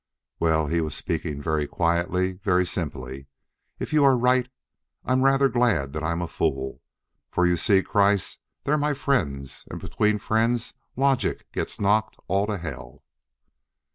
"Well," he was speaking very quietly, very simply "if you are right I'm rather glad that I'm a fool. For you see, Kreiss, they're my friends, and between friends logic gets knocked all to hell.